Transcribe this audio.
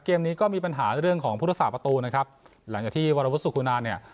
เกมนี้ก็มีปัญหาเรื่องของพุทธศาสประตูนะครับหลังจากที่วรวุสุขุนาเนี่ย